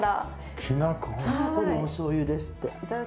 おしょうゆですって。